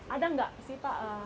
ada gak sih pak